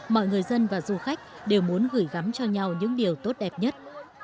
mọi người dân và du khách đều muốn gửi gắm cho nhau những điều tốt đẹp nhất